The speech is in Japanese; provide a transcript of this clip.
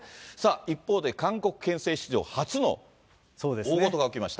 一方で、韓国憲政史上初の大ごとが起きました。